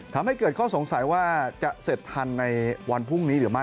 ทำให้เกิดข้อสงสัยว่าจะเสร็จทันในวันพรุ่งนี้หรือไม่